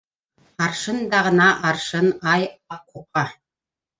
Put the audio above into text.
Аршын да ғына аршын, ай, ак уҡа.